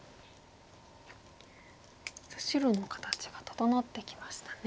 白の形が整ってきましたね。